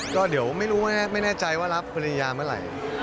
ก็เดี๋ยวไม่รู้ไม่แน่ใจว่ารับภรรยาเมื่อไหร่